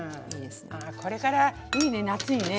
これからいいね夏にね。